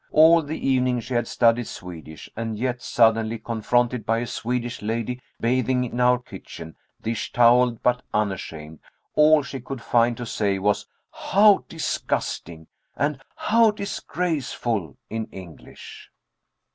All the evening she had studied Swedish, and yet suddenly confronted by a Swedish lady bathing in our kitchen, dish toweled but unashamed, all she could find to say was "How disgusting!" and "How disgraceful!" in English!